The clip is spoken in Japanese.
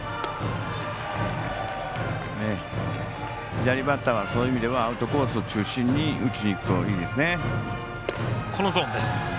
左バッターはそういう意味ではアウトコース中心に打ちにいくといいですね。